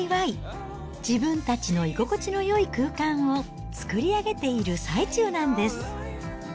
自分たちの居心地のよい空間を作り上げている最中なんです。